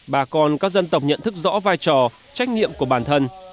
bà con các dân tộc nhận thức rõ vai trò trách nhiệm của bản thân